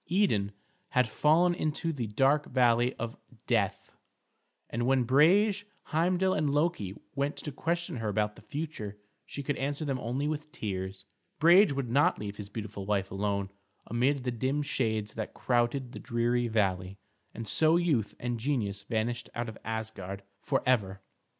Idun had fallen into the dark valley of death, and when Brage, Heimdal, and Loki went to question her about the future she could answer them only with tears. Brage would not leave his beautiful wife alone amid the dim shades that crowded the dreary valley, and so youth and genius vanished out of Asgard forever.